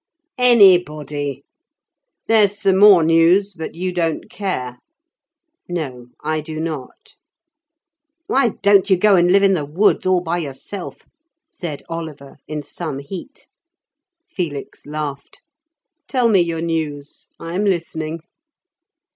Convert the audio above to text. "Anybody. There's some more news, but you don't care." "No. I do not." "Why don't you go and live in the woods all by yourself?" said Oliver, in some heat. Felix laughed. "Tell me your news. I am listening."